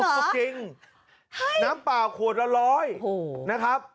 ๓๐๐บาทจริงเหรอจริงน้ำเปล่าขวดละ๑๐๐บาทนะครับ